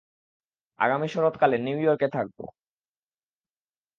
আগামী শরৎকালে নিউ ইয়র্কে থাকব।